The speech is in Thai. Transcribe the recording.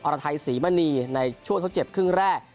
รไทยศรีมณีในช่วงทดเจ็บครึ่งแรก